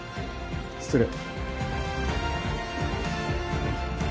失礼。